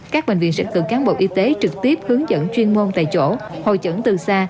các bệnh viện sẽ cử cán bộ y tế trực tiếp hướng dẫn chuyên môn tại chỗ hội chẩn từ xa